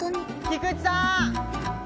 ・菊池さん！